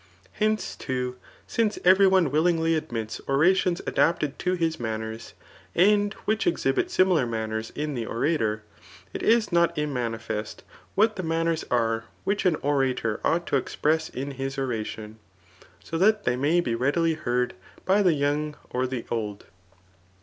Hence, too, dnce every one vnllingly admits orations adapted to his manners, and which exhibit similar manners [In the orator], it is not immanifest what the manners are which an orator ought to express in his oration, so that they may be readily heard by the young or the old.